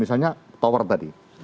misalnya tower tadi